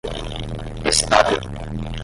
estável